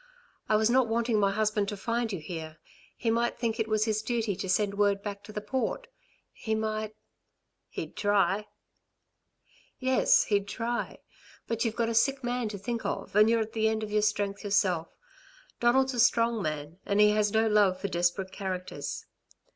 "I was not wanting my husband to find you here. He might think it was his duty to send word back to the Port. He might...." "He'd try." "Yes, he'd try. But you've got a sick man to think of and you're at the end of your strength yourself. Donald's a strong man, and he has no love for desperate characters."